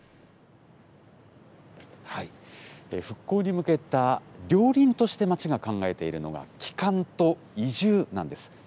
復興に向けた両輪として、町が考えているのが帰還と移住なんです。